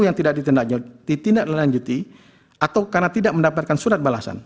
yang tidak ditindaklanjuti atau karena tidak mendapatkan surat balasan